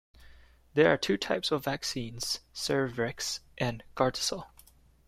There are two types of vaccines, Cervarix and Gardasil.